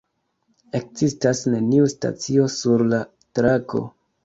Ekzistas neniu stacio sur la trako.